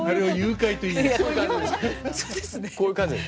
こういう感じですか？